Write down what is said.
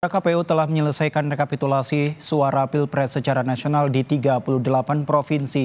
kpu telah menyelesaikan rekapitulasi suara pilpres secara nasional di tiga puluh delapan provinsi